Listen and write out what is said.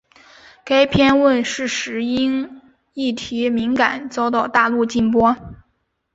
该片问世时因议题敏感遭到大陆禁播。